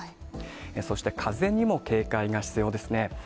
そして、風にも警戒が必要ですね。